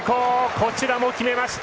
こちらも決めました。